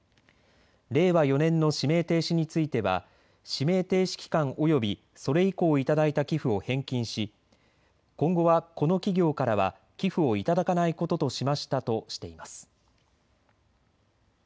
令和４年の指名停止については指名停止期間およびそれ以降、いただいた寄付を返金し今後はこの企業からは寄付をいただかないこととしましたとしています。